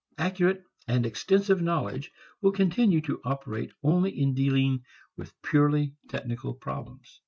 Accurate and extensive knowledge will continue to operate only in dealing with purely technical problems.